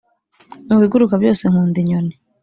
mubiguruka byose nkunda inyoni